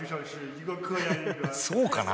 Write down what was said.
そうかな？